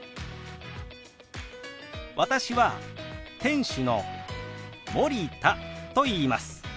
私は店主の森田といいます。